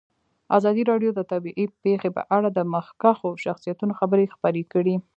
ازادي راډیو د طبیعي پېښې په اړه د مخکښو شخصیتونو خبرې خپرې کړي.